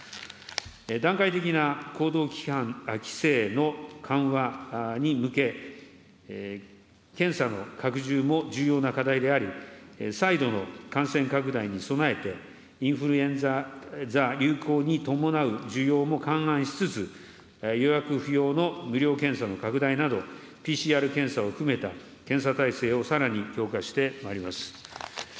段階的な行動きはん、規制の緩和に向け、検査の拡充も重要な課題であり、再度の感染拡大に備えて、インフルエンザ流行に伴う需要も勘案しつつ、予約不要の無料検査の拡大など、ＰＣＲ検査を含めた検査体制をさらに強化してまいります。